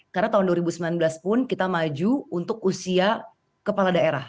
karena tahun dua ribu sembilan belas pun kita maju untuk usia kepala daerah